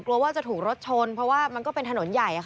กลัวว่าจะถูกรถชนเพราะว่ามันก็เป็นถนนใหญ่